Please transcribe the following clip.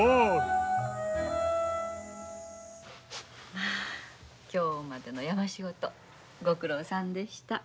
まあ今日までの山仕事ご苦労さんでした。